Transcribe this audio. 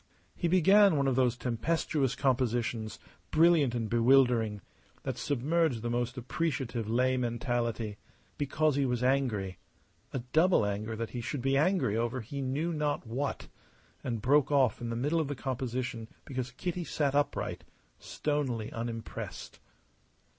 He began one of those tempestuous compositions, brilliant and bewildering, that submerge the most appreciative lay mentality because he was angry, a double anger that he should be angry over he knew not what and broke off in the middle of the composition because Kitty sat upright, stonily unimpressed.